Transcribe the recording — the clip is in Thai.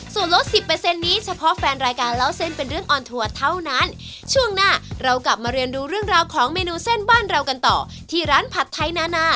ส่วนลดสิบเปอร์เซ็นต์นี้เฉพาะแฟนรายการเล่าเส้นเป็นเรื่องออนทัวร์เท่านั้นช่วงหน้าเรากลับมาเรียนดูเรื่องราวของเมนูเส้นบ้านเรากันต่อที่ร้านผัดไทยนานา